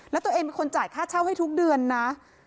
แล้วตัวเองเป็นคนจ่ายค่าเช่าให้ทุกเดือนนะ